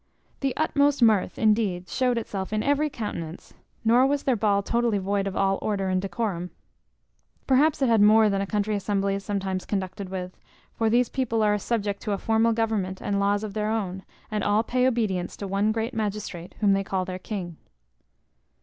The utmost mirth, indeed, shewed itself in every countenance; nor was their ball totally void of all order and decorum. Perhaps it had more than a country assembly is sometimes conducted with: for these people are subject to a formal government and laws of their own, and all pay obedience to one great magistrate, whom they call their king.